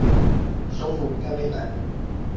首府盖贝莱。